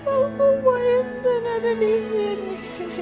aku mau intan ada disini